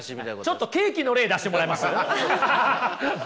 ちょっとケーキの例出してもらえます？